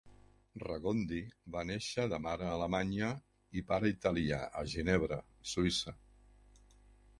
Regondi va néixer de mare alemanya i pare italià a Ginebra, Suïssa.